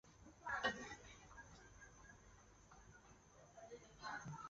请勿摄影、饮食、吸烟